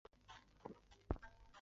才可申请参加